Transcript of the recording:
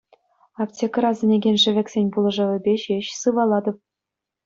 Аптекӑра сӗнекен шӗвексен пулӑшӑвӗпе ҫеҫ сывалатӑп.